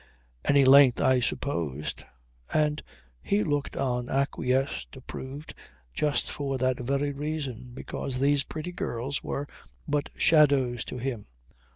Any length I supposed. And he looked on, acquiesced, approved, just for that very reason because these pretty girls were but shadows to him.